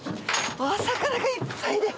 お魚がいっぱいで。